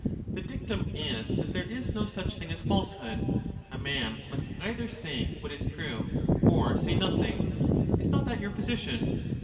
The dictum is that there is no such thing as falsehood; a man must either say what is true or say nothing. Is not that your position?